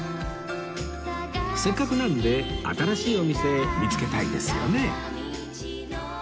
せっかくなんで新しいお店見つけたいですよね